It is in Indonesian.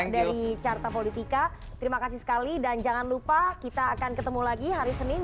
dari carta politika terima kasih sekali dan jangan lupa kita akan ketemu lagi hari senin